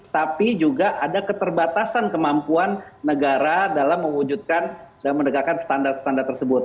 tapi juga ada keterbatasan kemampuan negara dalam mewujudkan dan menegakkan standar standar tersebut